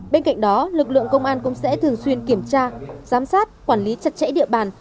bên cạnh đó lực lượng công an cũng sẽ thường xuyên kiểm tra giám sát quản lý chặt chẽ địa bàn